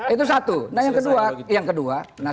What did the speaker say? itu satu nah yang kedua